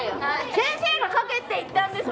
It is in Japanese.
先生が書けって言ったんです